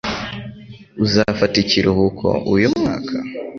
Uzafata ikiruhuko uyu mwaka?